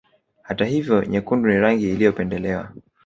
Hata hivyo nyekundu ni rangi iliyopendelewa